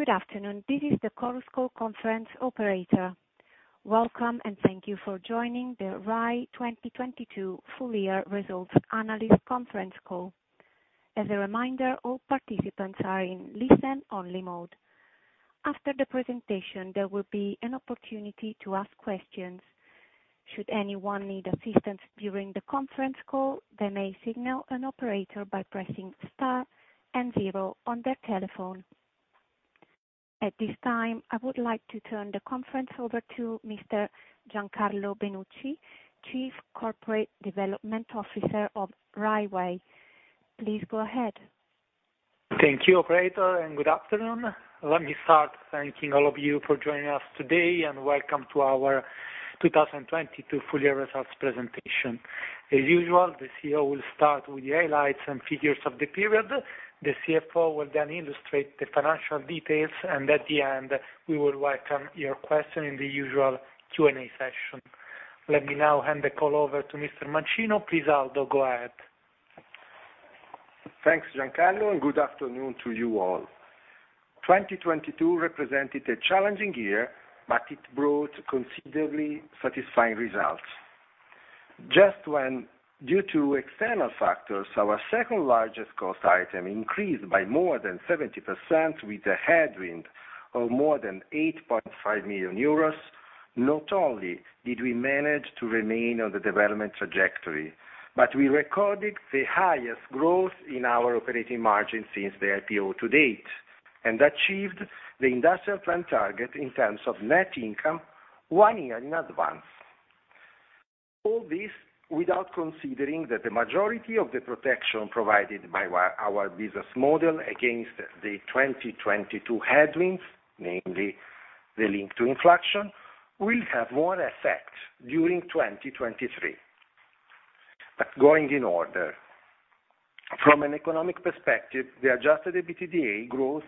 Good afternoon. This is the Chorus Call conference operator. Welcome, thank you for joining the RAI 2022 full year results analyst conference call. As a reminder, all participants are in listen-only mode. After the presentation, there will be an opportunity to ask questions. Should anyone need assistance during the conference call, they may signal an operator by pressing star and zero on their telephone. At this time, I would like to turn the conference over to Mr. Giancarlo Benucci, Chief Corporate Development Officer of Rai Way. Please go ahead. Thank you, operator. Good afternoon. Let me start thanking all of you for joining us today and welcome to our 2022 full year results presentation. As usual, the CEO will start with the highlights and figures of the period. The CFO will then illustrate the financial details. At the end, we will welcome your question in the usual Q&A session. Let me now hand the call over to Mr. Mancino. Please, Aldo, go ahead. Thanks, Giancarlo. Good afternoon to you all. 2022 represented a challenging year, but it brought considerably satisfying results. Just when, due to external factors, our second-largest cost item increased by more than 70% with a headwind of more than 8.5 million euros, not only did we manage to remain on the development trajectory, but we recorded the highest growth in our operating margin since the IPO to date and achieved the industrial plan target in terms of net income 1 year in advance. All this without considering that the majority of the protection provided by our business model against the 2022 headwinds, namely the link to inflation, will have more effect during 2023. Going in order. From an economic perspective, the adjusted EBITDA growth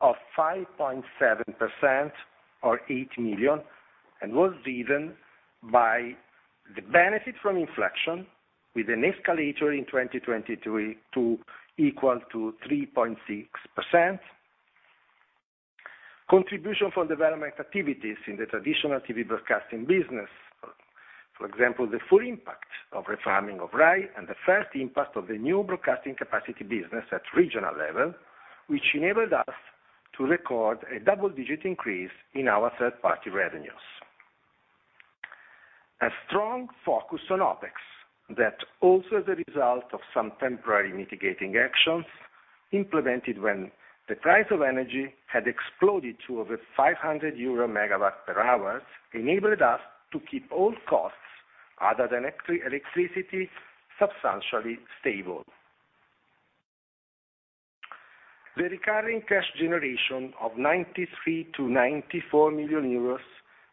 of 5.7% or 8 million, was driven by the benefit from inflation with an escalator in 2023 to equal to 3.6%. Contribution for development activities in the traditional TV broadcasting business. For example, the full impact of refarming of RAI and the first impact of the new broadcasting capacity business at regional level, which enabled us to record a double-digit increase in our third-party revenues. A strong focus on OpEx that also the result of some temporary mitigating actions implemented when the price of energy had exploded to over 500 euro megawatt per hour, enabled us to keep all costs other than electricity substantially stable. The recurring cash generation of 93 million-94 million euros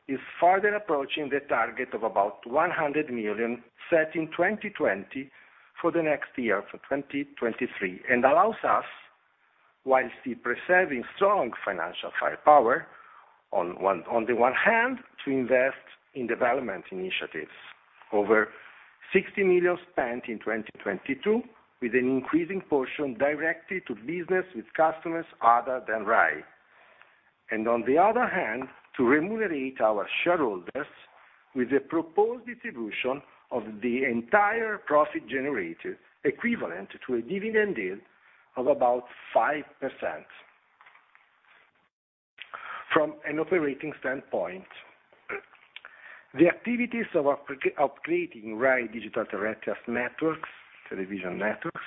is further approaching the target of about 100 million set in 2020 for the next year, for 2023, allows us, whilst still preserving strong financial firepower on the one hand, to invest in development initiatives. Over 60 million spent in 2022 with an increasing portion directed to business with customers other than RAI. On the other hand, to remunerate our shareholders with the proposed distribution of the entire profit generated, equivalent to a dividend yield of about 5%. From an operating standpoint, the activities of upgrading RAI digital terrestrial networks, television networks,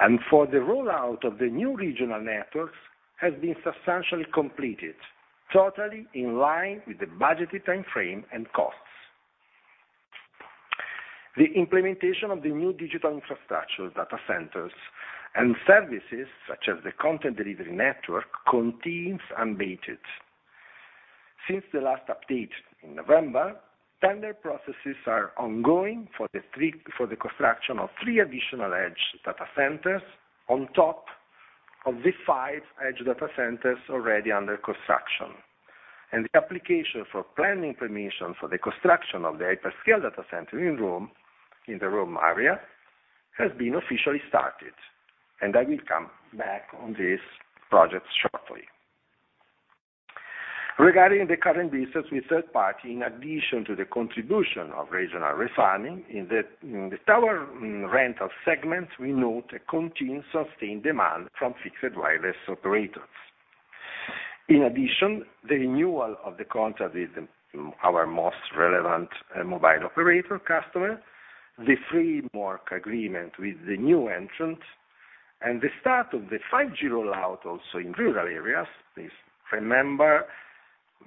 and for the rollout of the new regional networks has been substantially completed, totally in line with the budgeted time frame and costs. The implementation of the new digital infrastructure data centers and services such as the content delivery network continues unabated. Since the last update in November, tender processes are ongoing for the construction of 3 additional edge data centers on top of the 5 edge data centers already under construction. The application for planning permission for the construction of the hyperscale data center in Rome, in the Rome area, has been officially started. I will come back on these projects shortly. Regarding the current business with third party, in addition to the contribution of regional refarming in the tower rental segment, we note a continued sustained demand from fixed wireless operators. In addition, the renewal of the contract with the, our most relevant mobile operator customer, the framework agreement with the new entrant, and the start of the 5G rollout also in rural areas. Please remember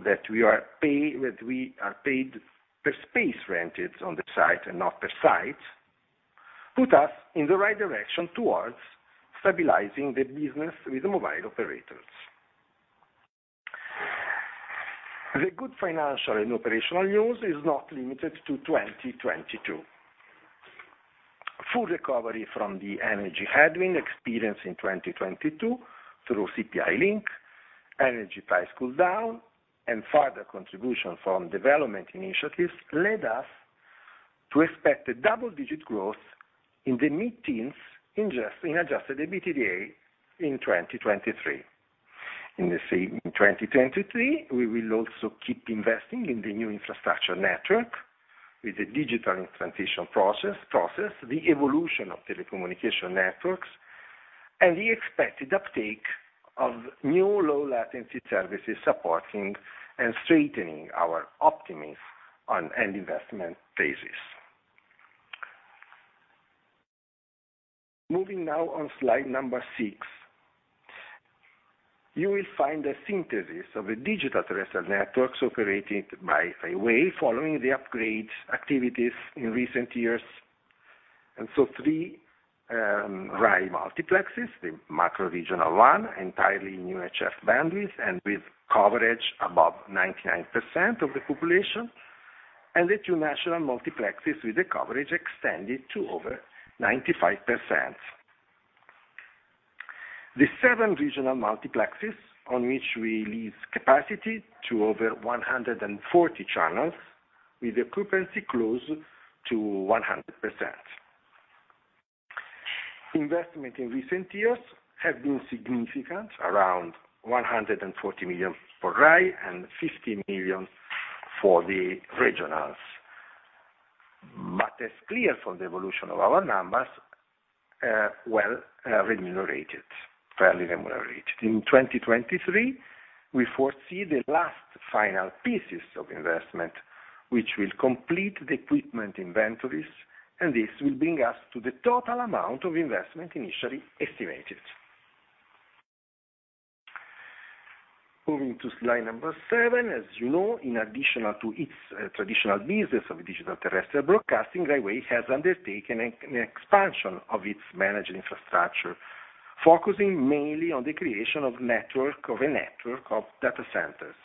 that we are paid per space rented on the site and not per site, put us in the RAI direction towards stabilizing the business with mobile operators. The good financial and operational news is not limited to 2022. Full recovery from the energy headwind experienced in 2022 through CPI link, energy price cool down, and further contribution from development initiatives led us to expect a double-digit growth in the mid-teens in adjusted EBITDA in 2023. In 2023, we will also keep investing in the new infrastructure network with the digital transition process, the evolution of telecommunication networks, and the expected uptake of new low latency services supporting and strengthening our optimism on end investment phases. Moving now on slide number six. You will find a synthesis of a digital terrestrial networks operated by Rai Way following the upgrade activities in recent years. Three RAI MUXes, the macro regional one, entirely new HF bandwidth, and with coverage above 99% of the population, and the 2 national MUXes with the coverage extended to over 95%. The 7 regional MUXes on which we lease capacity to over 140 channels with occupancy close to 100%. Investment in recent years have been significant, around 140 million for RAI and 50 million for the regionals. As clear from the evolution of our numbers, well, fairly remunerated. In 2023, we foresee the last final pieces of investment, which will complete the equipment inventories, this will bring us to the total amount of investment initially estimated. Moving to slide number 7. As you know, in addition to its traditional business of digital terrestrial broadcasting, Rai Way has undertaken an expansion of its managed infrastructure, focusing mainly on the creation of a network of data centers.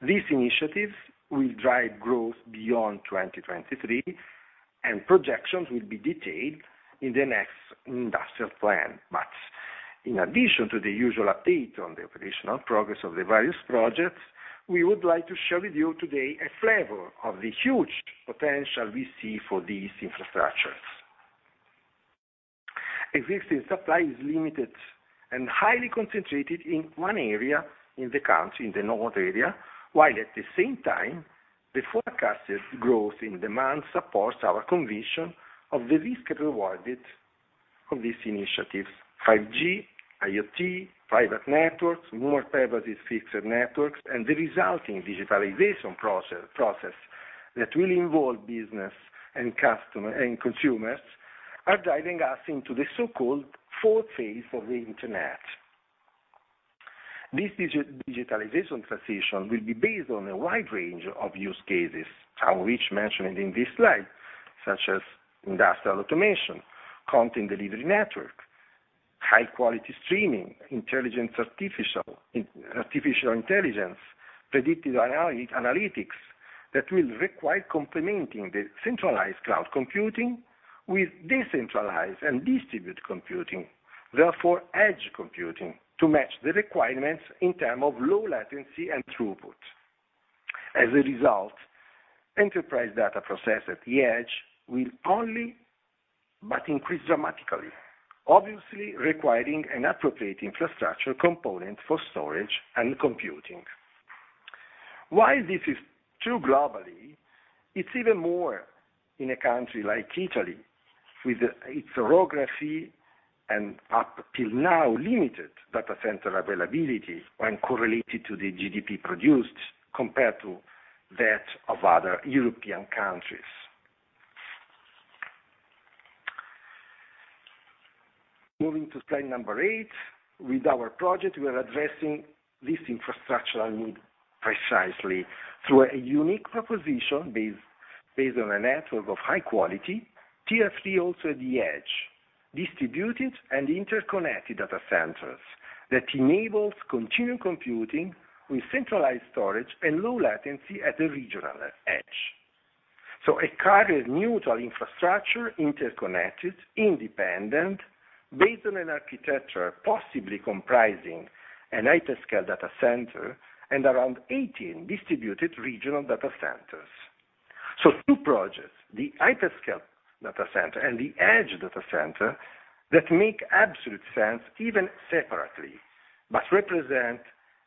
These initiatives will drive growth beyond 2023, and projections will be detailed in the next industrial plan. In addition to the usual update on the operational progress of the various projects, we would like to share with you today a flavor of the huge potential we see for these infrastructures. Existing supply is limited and highly concentrated in one area in the country, in the northern area, while at the same time, the forecasted growth in demand supports our conviction of the risk-rewarded of these initiatives, 5G, IoT, private networks, more pervasive fixed networks, and the resulting digitalization process that will involve business and consumers, are driving us into the so-called fourth phase of the Internet. This digitalization transition will be based on a wide range of use cases, some of which mentioned in this slide, such as industrial automation, content delivery network, high quality streaming, artificial intelligence, predictive analytics that will require complementing the centralized cloud computing with decentralized and distributed computing, therefore edge computing to match the requirements in term of low latency and throughput. As a result, enterprise data process at the edge will only but increase dramatically, obviously requiring an appropriate infrastructure component for storage and computing. While this is true globally, it's even more in a country like Italy with its orography and up till now limited data center availability when correlated to the GDP produced compared to that of other European countries. Moving to slide number eight. With our project, we are addressing this infrastructural need precisely through a unique proposition based on a network of high quality, TFC also at the edge, distributed and interconnected data centers that enables continued computing with centralized storage and low latency at the regional edge. A carrier-neutral infrastructure, interconnected, independent, based on an architecture possibly comprising an hyperscale data center and around 18 distributed regional data centers. Two projects, the hyperscale data center and the edge data center that make absolute sense even separately, but represent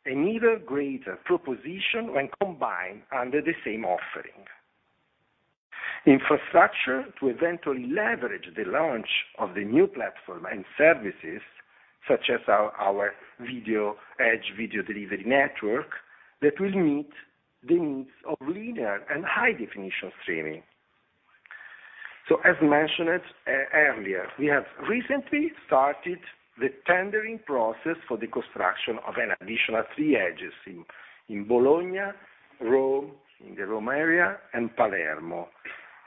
an even greater proposition when combined under the same offering. Infrastructure to eventually leverage the launch of the new platform and services such as our edge video delivery network that will meet the needs of linear and high definition streaming. As mentioned earlier, we have recently started the tendering process for the construction of an additional three edges in Bologna, Rome, in the Rome area, and Palermo,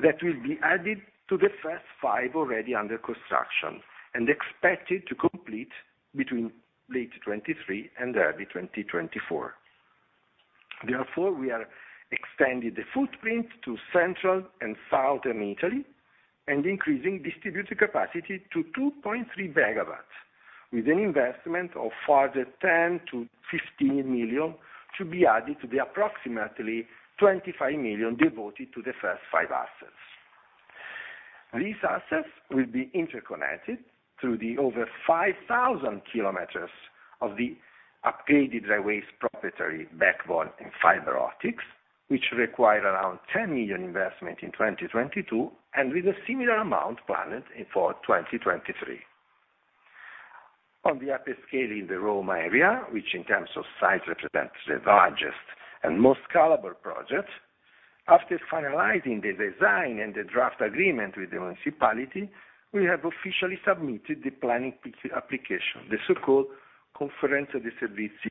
that will be added to the first five already under construction and expected to complete between late 2023 and early 2024. Therefore, we are extending the footprint to central and southern Italy. Increasing distributed capacity to 2.3 gigawatts, with an investment of further 10 million-15 million to be added to the approximately 25 million devoted to the first 5 assets. These assets will be interconnected through the over 5,000 kilometers of the upgraded Rai Way's proprietary backbone in fiber optics, which require around 10 million investment in 2022, and with a similar amount planned for 2023. On the hyperscale in the Rome area, which in terms of size represents the largest and most scalable project, after finalizing the design and the draft agreement with the municipality, we have officially submitted the planning application, the so-called conferenza dei servizi,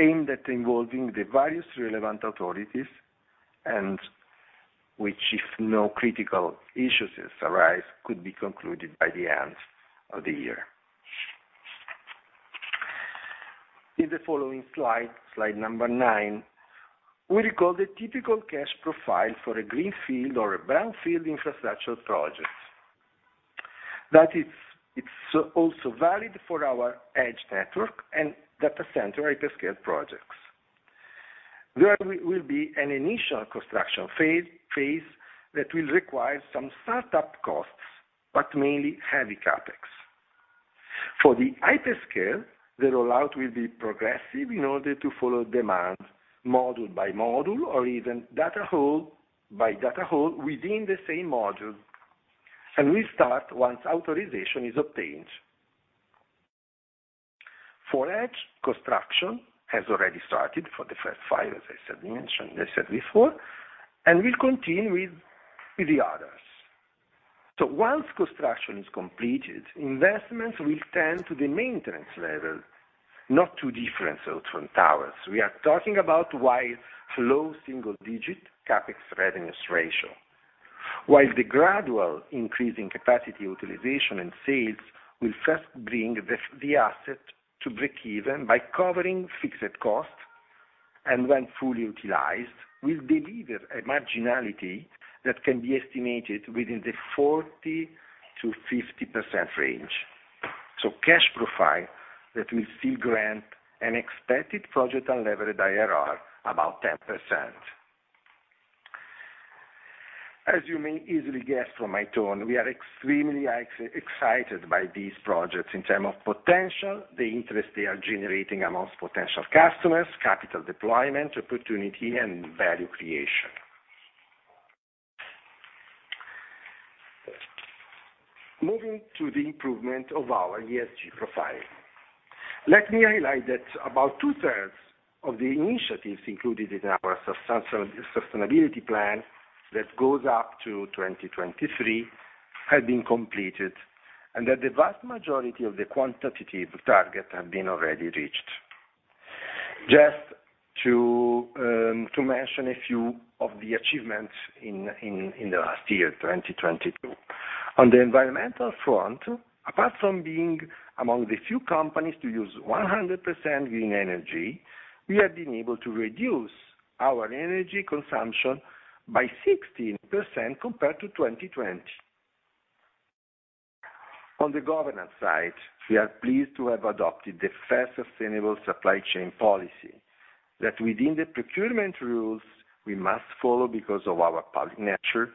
aimed at involving the various relevant authorities and which, if no critical issues arise, could be concluded by the end of the year. In the following slide number 9, we recall the typical cash profile for a greenfield or a brownfield infrastructure project. That is, it's also valid for our edge network and data center hyperscale projects. There will be an initial construction phase that will require some start-up costs, but mainly heavy CapEx. For the hyperscale, the rollout will be progressive in order to follow demand module by module or even data hole by data hole within the same module, and we start once authorization is obtained. For Edge, construction has already started for the first 5, as I said before, and we'll continue with the others. Once construction is completed, investments will turn to the maintenance level, not too different, so from towers. We are talking about wide, low single digit CapEx readiness ratio. While the gradual increase in capacity utilization and sales will first bring the asset to breakeven by covering fixed costs, and when fully utilized, will deliver a marginality that can be estimated within the 40%-50% range. Cash profile that will still grant an expected project unlevered IRR about 10%. As you may easily guess from my tone, we are extremely excited by these projects in terms of potential, the interest they are generating amongst potential customers, capital deployment opportunity, and value creation. Moving to the improvement of our ESG profile. Let me highlight that about two-thirds of the initiatives included in our sustainability plan that goes up to 2023 have been completed, and that the vast majority of the quantitative targets have been already reached. Just to mention a few of the achievements in the last year, 2022. On the environmental front, apart from being among the few companies to use 100% green energy, we have been able to reduce our energy consumption by 16% compared to 2020. On the governance side, we are pleased to have adopted the first sustainable supply chain policy that within the procurement rules we must follow because of our public nature,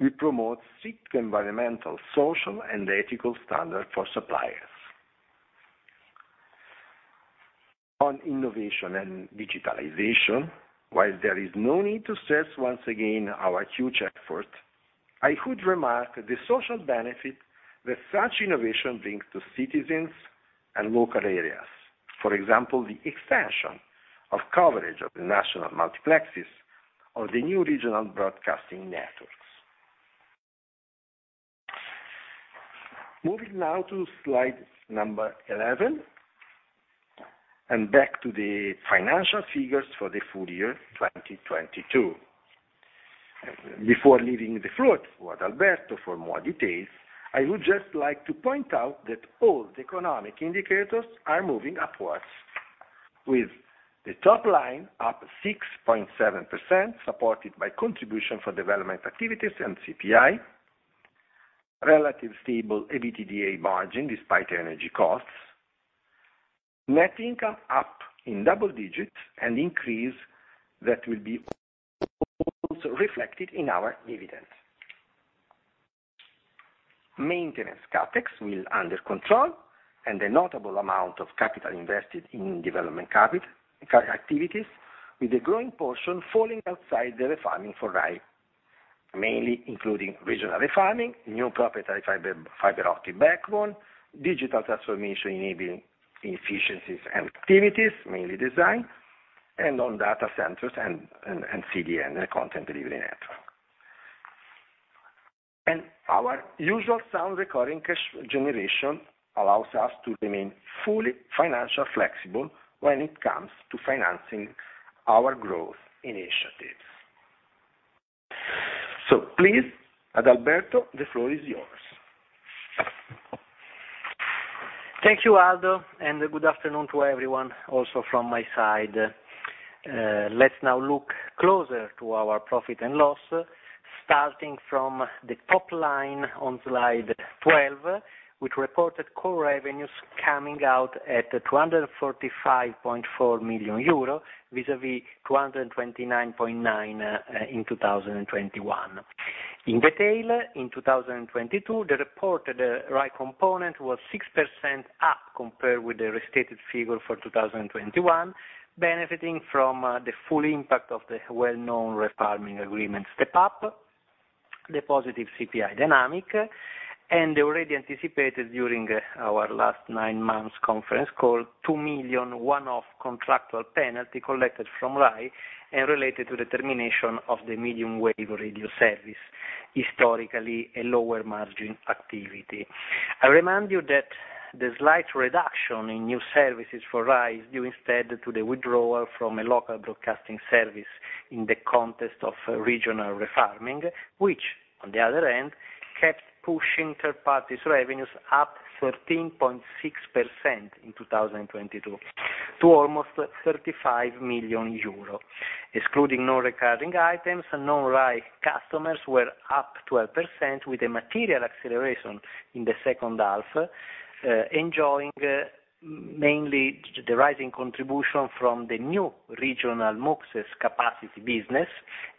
we promote strict environmental, social, and ethical standard for suppliers. On innovation and digitalization, while there is no need to stress once again our huge effort, I could remark the social benefit that such innovation brings to citizens and local areas. For example, the expansion of coverage of the national multiplexes or the new regional broadcasting networks. Moving now to slide number 11, and back to the financial figures for the full year 2022. Before leaving the floor to Adalberto for more details, I would just like to point out that all the economic indicators are moving upwards. With the top line up 6.7%, supported by contribution for development activities and CPI. Relative stable EBITDA margin despite energy costs. Net income up in double digits, an increase that will be also reflected in our dividend. Maintenance CapEx will under control, and a notable amount of capital invested in development capital activities, with a growing portion falling outside the refarming for RAI, mainly including regional refarming, new proprietary fiber optic backbone, digital transformation enabling efficiencies and activities, mainly design and on data centers and CDN, content delivery network. Our usual sound recording cash generation allows us to remain fully financial flexible when it comes to financing our growth initiatives. Please, Adalberto, the floor is yours. Thank you, Aldo, good afternoon to everyone also from my side. Let's now look closer to our profit and loss, starting from the top line on slide 12, which reported core revenues coming out at 245.4 million euro vis-a-vis 229.9 million in 2021. In detail, in 2022, the reported right component was 6% up compared with the restated figure for 2021, benefiting from the full impact of the well-known refarming agreement step up, the positive CPI dynamic, and already anticipated during our last nine months conference call, 2 million one-off contractual penalty collected from RAI and related to the termination of the medium wave radio service, historically a lower margin activity. I remind you that the slight reduction in new services for RAI is due instead to the withdrawal from a local broadcasting service in the context of regional refarming, which on the other hand, kept pushing third parties revenues up 13.6% in 2022 to almost 35 million euro. Excluding non-recurring items and non-RAI customers were up 12% with a material acceleration in the second half, enjoying mainly the rising contribution from the new regional MUXes capacity business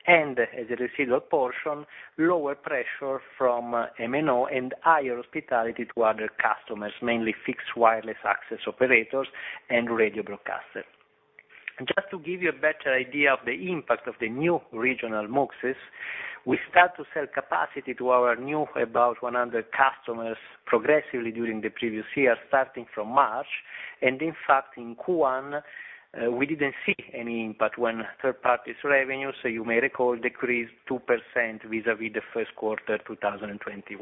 and as a residual portion, lower pressure from MNO and higher hospitality to other customers, mainly fixed wireless access operators and radio broadcasters. Just to give you a better idea of the impact of the new regional MUXes, we start to sell capacity to our new about 100 customers progressively during the previous year, starting from March. In fact, in Q1, we didn't see any impact when third-parties revenue, so you may recall, decreased 2% vis-a-vis the first quarter 2021.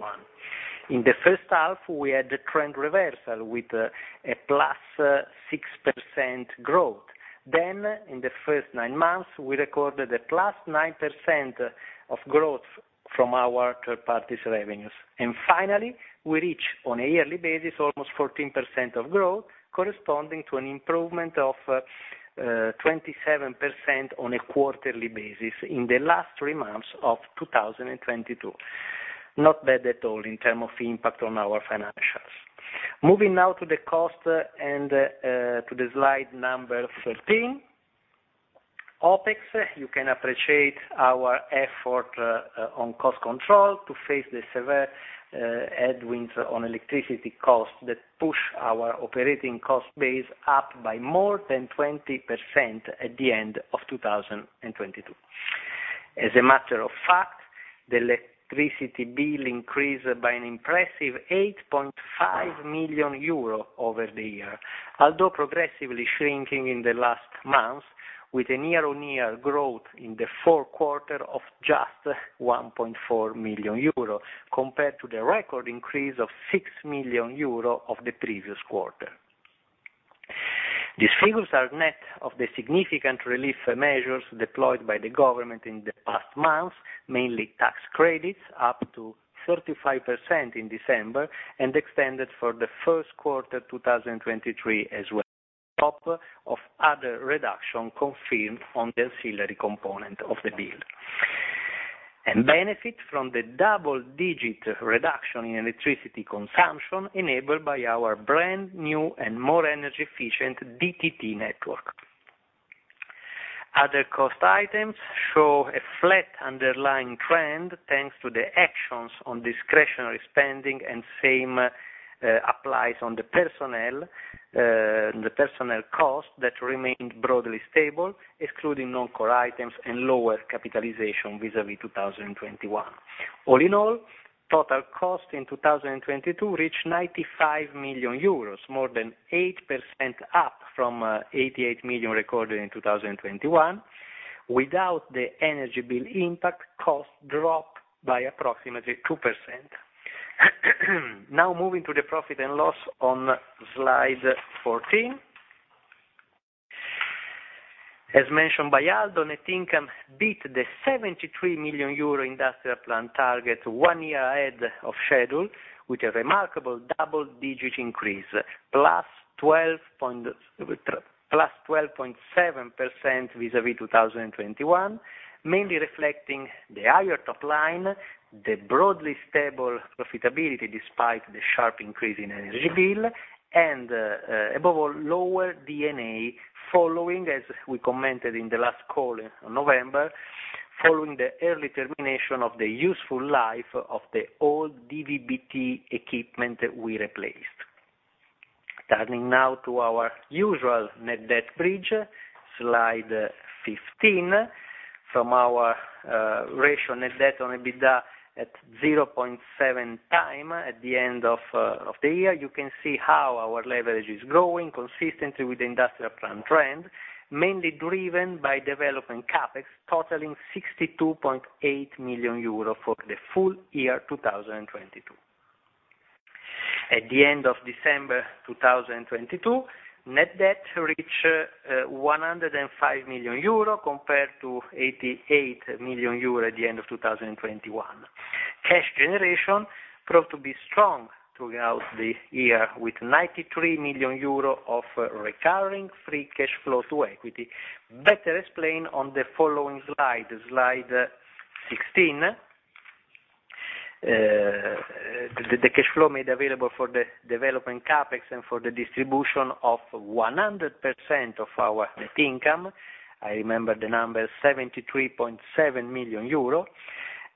In the first half, we had a trend reversal with a +6% growth. In the first nine months, we recorded a +9% of growth from our third-parties revenues. Finally, we reach on a yearly basis almost 14% of growth, corresponding to an improvement of 27% on a quarterly basis in the last 3 months of 2022. Not bad at all in terms of impact on our financials. Moving now to the cost and to the slide number 13. OpEx, you can appreciate our effort on cost control to face the severe headwinds on electricity costs that push our operating cost base up by more than 20% at the end of 2022. As a matter of fact, the electricity bill increased by an impressive 8.5 million euro over the year, although progressively shrinking in the last month with a year-on-year growth in the fourth quarter of just 1.4 million euro, compared to the record increase of 6 million euro of the previous quarter. These figures are net of the significant relief measures deployed by the government in the past month, mainly tax credits up to 35% in December and extended for the first quarter 2023 as well. Top of other reduction confirmed on the ancillary component of the bill. Benefit from the double-digit reduction in electricity consumption enabled by our brand new and more energy efficient DTT network. Other cost items show a flat underlying trend, thanks to the actions on discretionary spending, and same applies on the personnel cost that remained broadly stable, excluding non-core items and lower capitalization vis-a-vis 2021. All in all, total cost in 2022 reached 95 million euros, more than 8% up from 88 million recorded in 2021. Without the energy bill impact, costs dropped by approximately 2%. Moving to the profit and loss on slide 14. As mentioned by Aldo, net income beat the 73 million euro industrial plan target one year ahead of schedule with a remarkable double-digit increase, +12.7% vis-a-vis 2021, mainly reflecting the higher top line, the broadly stable profitability despite the sharp increase in energy bill and, above all, lower D&A following, as we commented in the last call in November, following the early termination of the useful life of the old DVB-T equipment we replaced. Turning now to our usual net debt bridge, slide 15. From our ratio net debt on EBITDA at 0.7x at the end of the year, you can see how our leverage is growing consistently with the industrial plan trend, mainly driven by development CapEx totaling 62.8 million euro for the full year 2022. At the end of December 2022, net debt reach EUR 105 million compared to 88 million euro at the end of 2021.Cash generation proved to be strong throughout the year, with 93 million euro of recurring free cash flow to equity. Better explained on the following slide 16. The cash flow made available for the development CapEx and for the distribution of 100% of our net income. I remember the number 73.7 million euro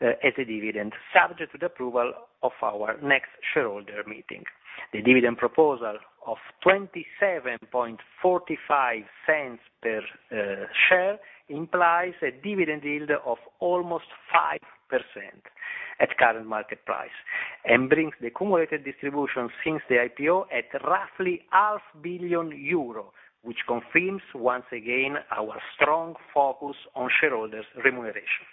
as a dividend, subject to the approval of our next shareholder meeting. The dividend proposal of 0.2745 per share, implies a dividend yield of almost 5% at current market price, and brings the cumulative distribution since the IPO at roughly half billion EUR, which confirms once again our strong focus on shareholders remuneration.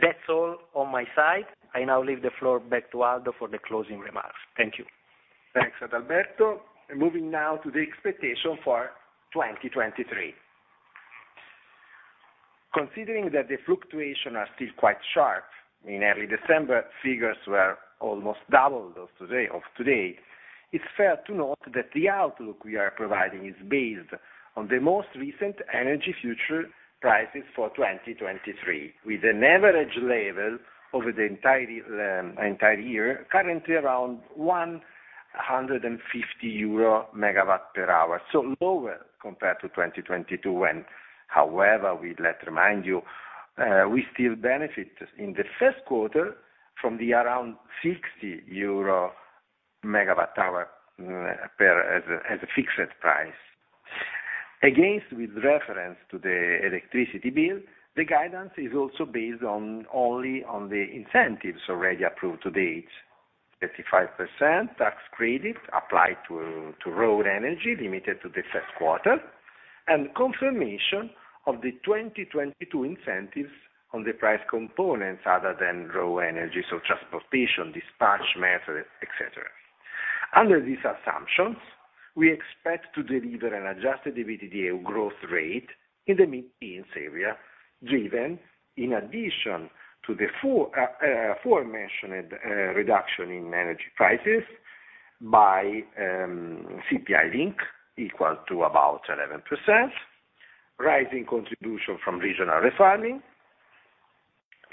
That's all on my side. I now leave the floor back to Aldo for the closing remarks. Thank you. Thanks, Adalberto. Moving now to the expectation for 2023. Considering that the fluctuation are still quite sharp, in early December, figures were almost double of today, it's fair to note that the outlook we are providing is based on the most recent energy future prices for 2023, with an average level over the entire year currently around 150 euro megawatt per hour, so lower compared to 2022 when, however, we'd like to remind you, we still benefit in the first quarter from the around 60 euro megawatt hour per as a fixed price. Against with reference to the electricity bill, the guidance is also based on, only on the incentives already approved to date. 35% tax credit applied to raw energy limited to the first quarter, and confirmation of the 2022 incentives on the price components other than raw energy, so transportation, dispatch, method, et cetera. Under these assumptions, we expect to deliver an adjusted EBITDA growth rate in the mid-single area, driven in addition to the fore aforementioned reduction in energy prices by CPI link equal to about 11%, rising contribution from regional refarming,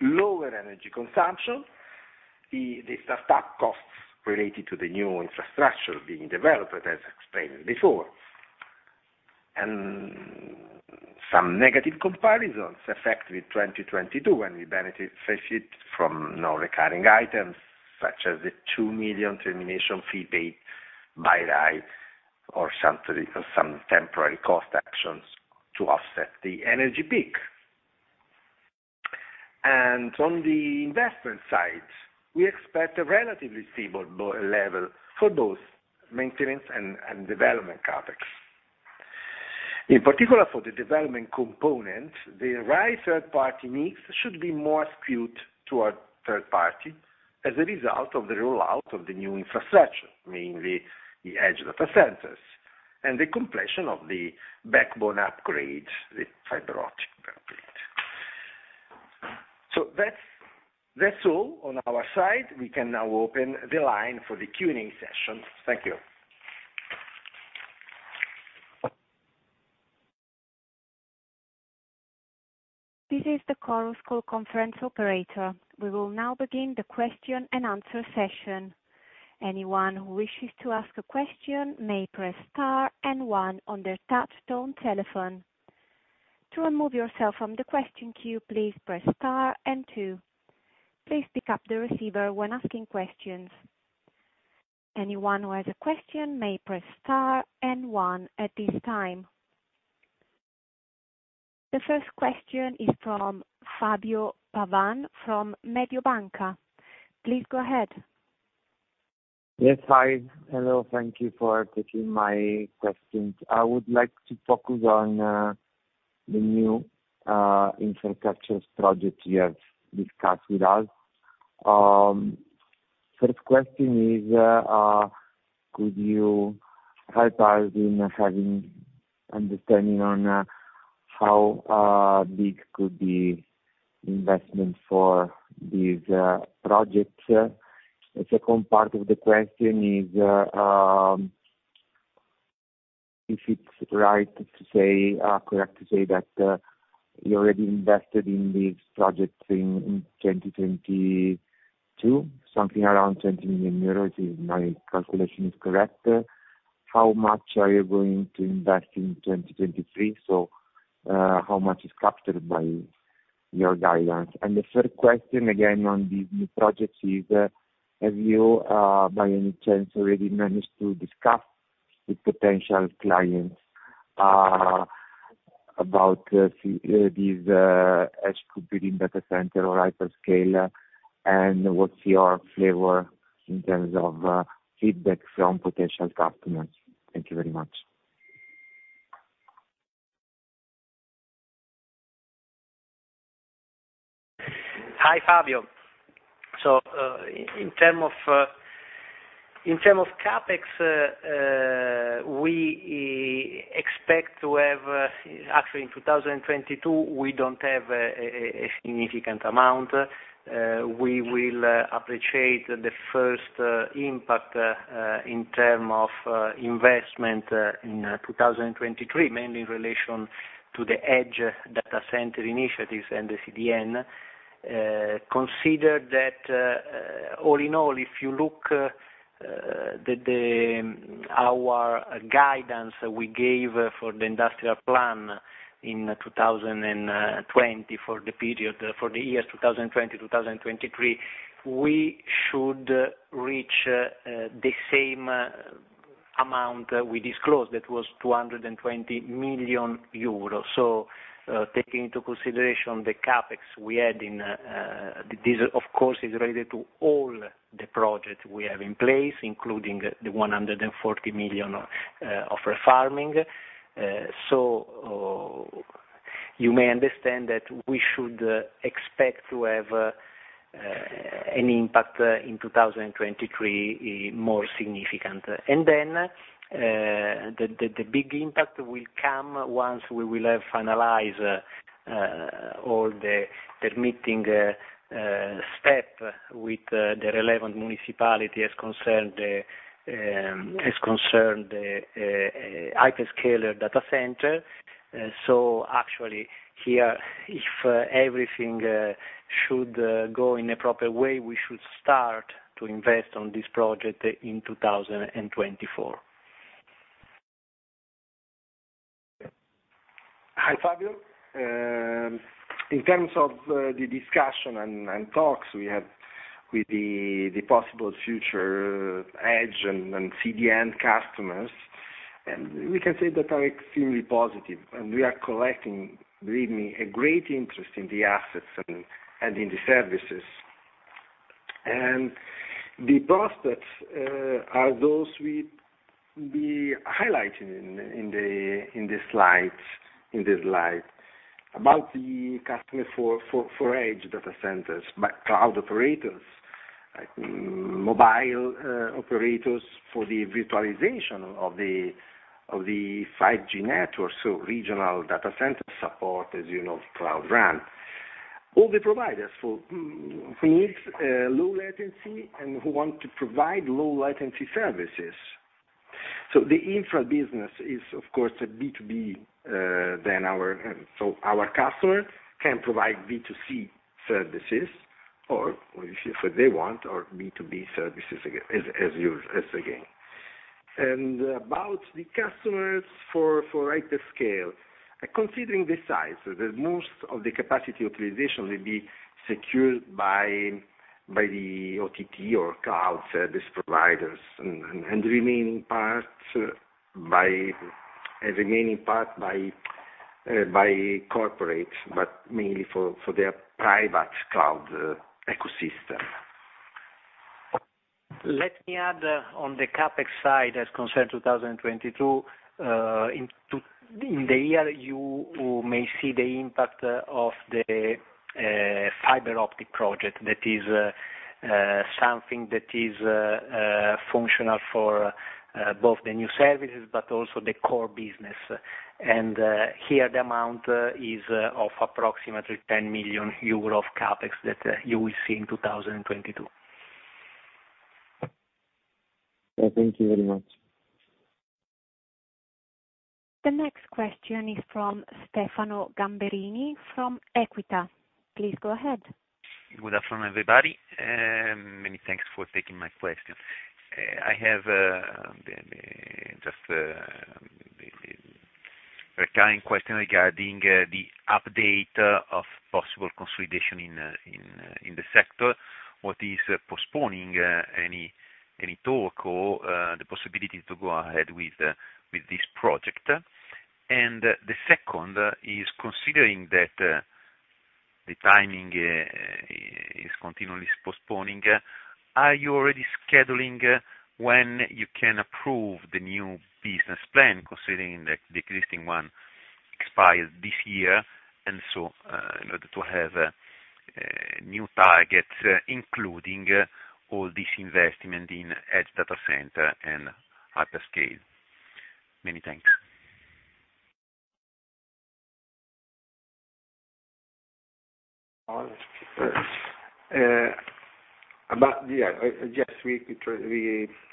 lower energy consumption, the startup costs related to the new infrastructure being developed, as explained before, and some negative comparisons affect with 2022, when we benefit from non-recurring items such as the 2 million termination fee paid by MFE or some temporary cost actions to offset the energy peak. On the investment side, we expect a relatively stable level for both maintenance and development CapEx. In particular, for the development component, the MFE third party mix should be more skewed toward third party as a result of the rollout of the new infrastructure, mainly the edge data centers, and the completion of the backbone upgrade, the fiber optic upgrade. That's all on our side. We can now open the line for the Q&A session. Thank you. This is the Chorus Call conference operator. We will now begin the question and answer session. Anyone who wishes to ask a question may press star and one on their touchtone telephone. To remove yourself from the question queue, please press star and two. Please pick up the receiver when asking questions. Anyone who has a question may press star and one at this time. The first question is from Fabio Pavan, from Mediobanca. Please go ahead. Yes. Hi. Hello. Thank you for taking my questions. I would like to focus on the new infrastructures project you have discussed with us. First question is, could you help us in having understanding on how big could be investment for these projects? The second part of the question is, if it's right to say, correct to say that you already invested in these projects in 2022, something around 20 million euros, if my calculation is correct. How much are you going to invest in 2023? How much is captured by your guidance? The third question, again on these new projects, is, have you by any chance, already managed to discuss with potential clients about these edge computing data center or hyperscaler? What's your flavor in terms of feedback from potential customers? Thank you very much. Hi, Fabio. In term of CapEx, we expect to have actually in 2022, we don't have a significant amount. We will appreciate the first impact in term of investment in 2023, mainly in relation to the edge data center initiatives and the CDN. Consider that, all in all, if you look the our guidance we gave for the industrial plan in 2020 for the period, for the years 2020, 2023, we should reach the same amount we disclosed, that was 220 million euros. Taking into consideration the CapEx we had in, this of course, is related to all the projects we have in place, including the 140 million of refarming. You may understand that we should expect to have an impact in 2023 more significant. The big impact will come once we will have finalized all the permitting step with the relevant municipality as concerned as concerned the hyperscaler data center. Actually here, if everything should go in a proper way, we should start to invest on this project in 2024. Hi, Fabio. In terms of the discussion and talks we had with the possible future edge and CDN customers, we can say that are extremely positive, we are collecting, believe me, a great interest in the assets and in the services. The prospects are those we'd be highlighting in the slide. About the customer for edge data centers, by cloud operators, like mobile operators for the virtualization of the 5G network, so regional data center support, as you know, Cloud RAN. All the providers for who needs low latency and who want to provide low latency services. The infra business is of course a B2B, our customer can provide B2C services or if they want, or B2B services as again. About the customers for hyperscale, considering the size, the most of the capacity optimization will be secured by the OTT or cloud service providers and the remaining parts by, a remaining part by corporate, but mainly for their private cloud ecosystem. Let me add on the CapEx side as concerned 2022, in the year you may see the impact of the fiber optic project. That is something that is functional for both the new services but also the core business. Here the amount is of approximately 10 million euro of CapEx that you will see in 2022. Thank you very much. The next question is from Stefano Gamberini from Equita. Please go ahead. Good afternoon, everybody, and many thanks for taking my question. I have the just the recurring question regarding the update of possible consolidation in the sector. What is postponing any talk or the possibility to go ahead with this project? The second is considering that the timing is continually postponing, are you already scheduling when you can approve the new business plan, considering the existing one expired this year, in order to have a new target, including all this investment in edge data center and hyperscale? Many thanks. About, yeah, just we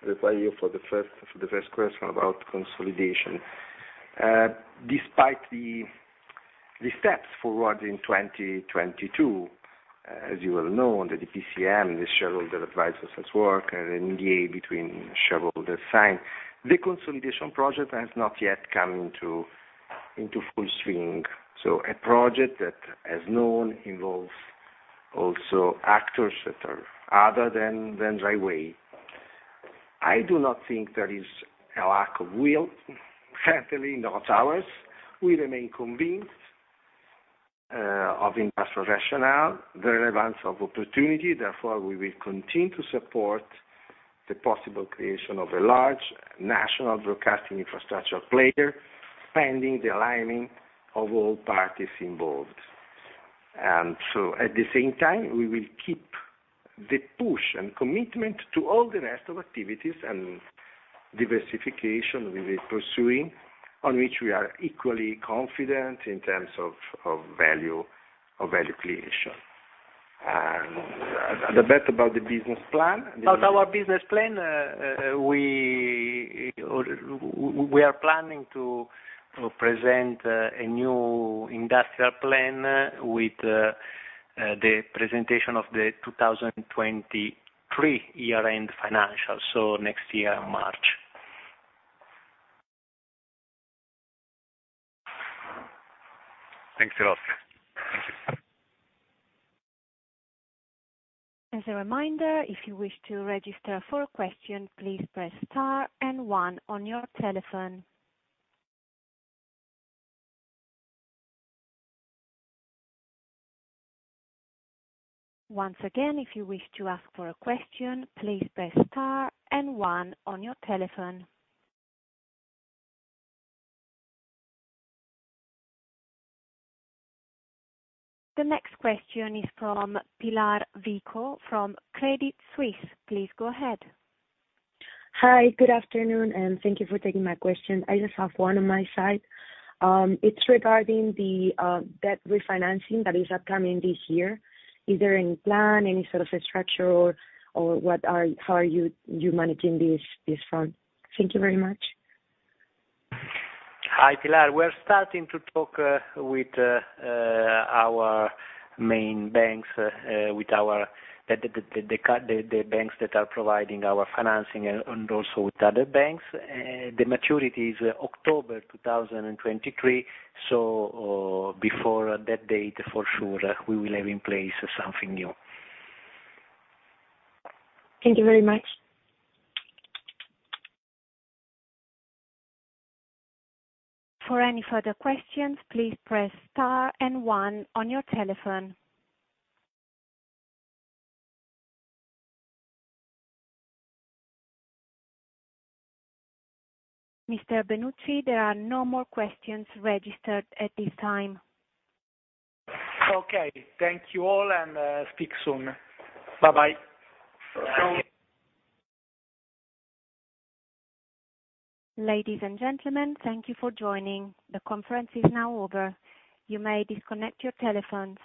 reply you for the first question about consolidation. Despite the steps forward in 2022, as you well know, that the PCM, the shareholder advisors work, NDA between shareholder sign, the consolidation project has not yet come into full swing. A project that, as known, involves also actors that are other than Rai Way. I do not think there is a lack of will, certainly not ours. We remain convinced of industrial rationale, the relevance of opportunity. Therefore, we will continue to support the possible creation of a large national broadcasting infrastructure player, pending the aligning of all parties involved. At the same time, we will keep the push and commitment to all the rest of activities and diversification we will be pursuing, on which we are equally confident in terms of value creation. A bit about the business plan. About our business plan, we are planning to present a new industrial plan with the presentation of the 2023 year-end financials. Next year March. Thanks a lot. As a reminder, if you wish to register for a question, please press star and one on your telephone. Once again, if you wish to ask for a question, please press star and one on your telephone. The next question is from Pilar Vico from Credit Suisse. Please go ahead. Hi, good afternoon, thank you for taking my question. I just have one on my side. It's regarding the debt refinancing that is upcoming this year. Is there any plan, any sort of a structure or, how are you managing this fund? Thank you very much. Hi, Pilar. We're starting to talk with our main banks, with the banks that are providing our financing and also with other banks. The maturity is October 2023. Before that date, for sure, we will have in place something new. Thank you very much. For any further questions, please press star and one on your telephone. Mr. Benucci, there are no more questions registered at this time. Okay. Thank you all, and speak soon. Bye-bye. Bye. Ladies and gentlemen, thank you for joining. The conference is now over. You may disconnect your telephones.